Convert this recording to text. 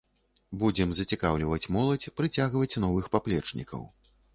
Будзем зацікаўліваць моладзь, прыцягваць новых паплечнікаў.